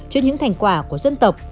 cho những thành quả của dân tộc